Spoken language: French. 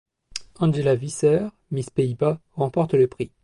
Angela Visser, Miss Pays-Bas, remporte le prix.